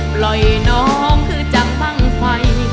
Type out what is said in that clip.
ปล่อยน้องคือจังบ้างไฟ